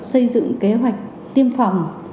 xây dựng kế hoạch tiêm phòng